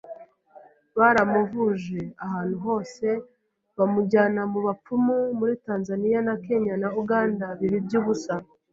Baramuvuje ahantu hose, bamujyana mu bapfumu, muri Tanzania na Kenya na Uganda biba iby’ubusa